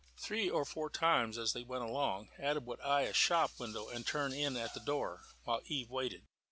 Three or four times, as they went along, Adam would eye a shop window and turn in at the door, while Eve waited.